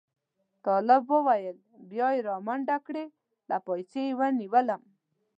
طالب وویل بیا یې را منډې کړې له پایڅې یې ونیولم.